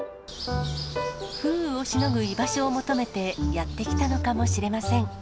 風雨をしのぐ居場所を求めて、やって来たのかもしれません。